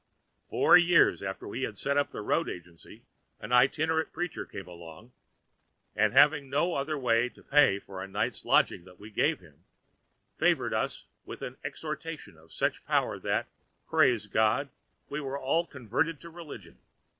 "Four years after we had set up the road agency an itinerant preacher came along, and having no other way to pay for the night's lodging that we gave him, favored us with an exhortation of such power that, praise God, we were all converted to religion.